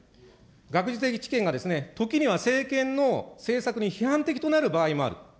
学術的知見が時には政権の政策に批判的となる場合もある。